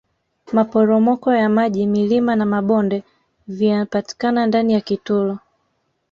maporomoko ya maji milima na mabonde vianpatikana ndani ya kitulo